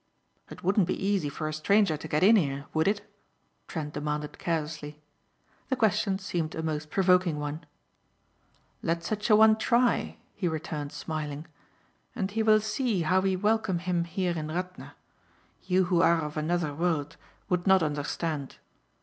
"It wouldn't be easy for a stranger to get in here, would it?" Trent demanded carelessly. The question seemed a most provoking one. "Let such a one try," he returned smiling, "and he will see how we welcome him here in Radna. You who are of another world would not understand."